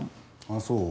あっそう？